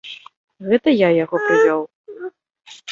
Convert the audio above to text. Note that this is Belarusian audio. Гэта я яго прывёў.